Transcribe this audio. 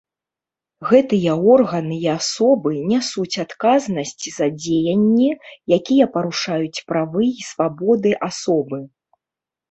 Гэтыя органы і асобы нясуць адказнасць за дзеянні, якія парушаюць правы і свабоды асобы.